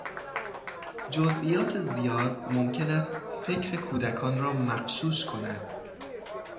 جزئیات زیاد ممکن است فکر کودکان را مغشوش کند.